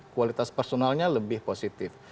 kualitas personalnya lebih positif